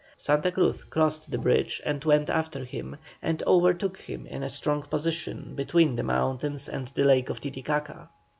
Santa Cruz crossed the bridge and went after him, and overtook him in a strong position between the mountains and the lake of Titicaca.